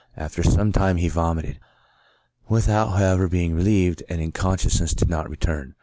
After some time he vomited, without, however, being relieved, and conscious ness did not return.